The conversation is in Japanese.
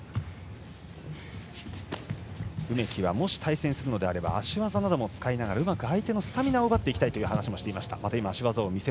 梅木はもし対戦するなら足技なども使いながらうまく相手のスタミナを奪っていきたいとも話をしていました。